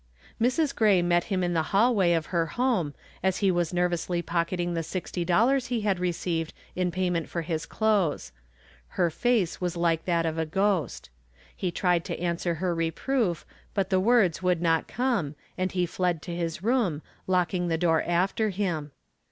Mrs. Gray met him in the hallway of her home as he was nervously pocketing the $60 he had received in payment for his clothes. Her face was like that of a ghost. He tried to answer her reproof, but the words would not come, and he fled to his room, locking the door after him.